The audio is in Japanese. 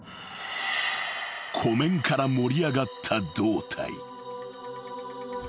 ［湖面から盛り上がった胴体］